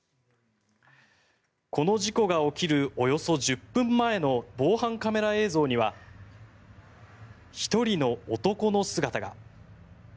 この事故が起きるおよそ１０分前の防犯カメラ映像には１人の男の姿が。